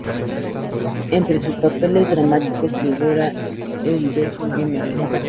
Entre sus papeles dramáticos figuran el de Mr.